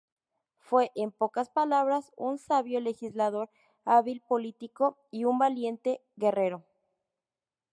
Fue, en pocas palabras, un "sabio legislador, hábil político y un valiente guerrero".